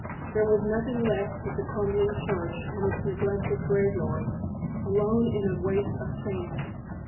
There was nothing left but the crumbling church and its neglected graveyard, alone in a waste of sand.